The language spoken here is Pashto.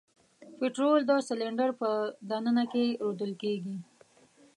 پطرول د سلنډر په د ننه کې رودل کیږي.